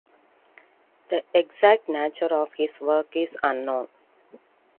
The exact nature of his work is unknown.